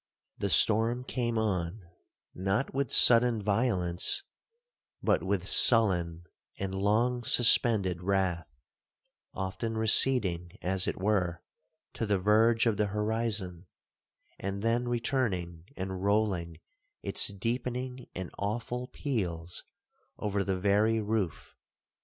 The storm came on, not with sudden violence, but with sullen and long suspended wrath—often receding, as it were, to the verge of the horizon, and then returning and rolling its deepening and awful peals over the very roof.